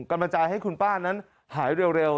กำลังใจให้คุณป้านั้นหายเร็ว